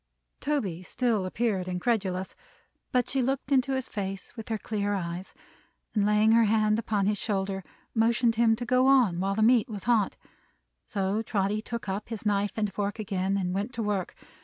Toby still appeared incredulous; but she looked into his face with her clear eyes, and laying her hand upon his shoulder, motioned him to go on while the meat was hot. So Trotty took up his knife and fork again, and went to work.